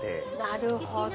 なるほど。